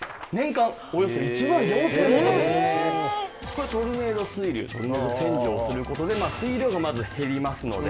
これトルネード水流トルネード洗浄する事で水量がまず減りますので。